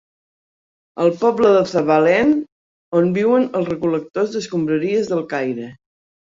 El poble de Zabbaleen, on viuen els recol·lectors d'escombraries del Caire.